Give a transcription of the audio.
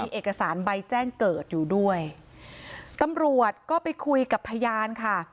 เอกสารใบแจ้งเกิดอยู่ด้วยตำรวจก็ไปคุยกับพยานค่ะ